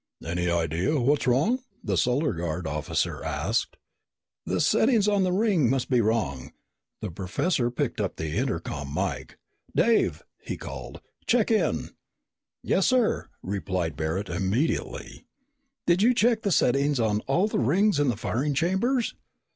"Any idea what's wrong?" the Solar Guard officer asked. "The settings on the ring must be wrong." The professor picked up the intercom mike. "Dave," he called, "check in!" "Yes, sir?" replied Barret immediately. "Did you check the settings on all the rings in the firing chambers?"